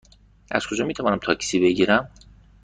از کجا می توانم تاکسی بگیرم؟